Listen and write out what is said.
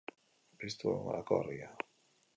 Piztu egongelako argia.